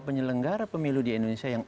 penyelenggara pemilu di indonesia yang